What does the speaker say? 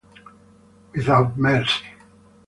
Without Mercy